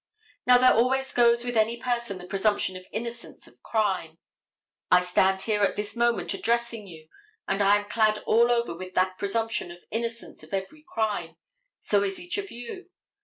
Now there always goes with any person the presumption of innocence of crime. I stand here at this moment addressing you, and I am clad all over with that presumption of innocence of every crime; so is each one of you.